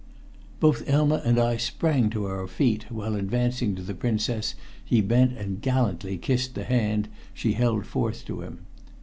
Both Elma and I sprang to our feet, while advancing to the Princess he bent and gallantly kissed the hand she held forth to him.